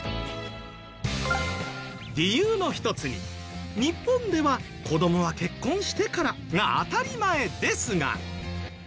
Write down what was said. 理由の一つに日本では子どもは結婚してからが当たり前ですが。